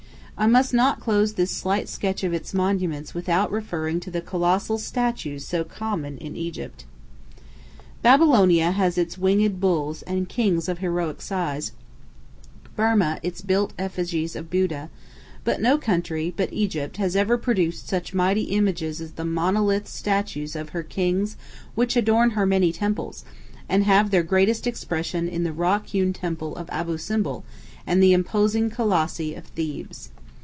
I must not close this slight sketch of its monuments without referring to the colossal statues so common in Egypt. Babylonia has its winged bulls and kings of heroic size, Burma its built effigies of Buddha, but no country but Egypt has ever produced such mighty images as the monolith statues of her kings which adorn her many temples, and have their greatest expression in the rock hewn temple of Abou Simbel and the imposing colossi of Thebes.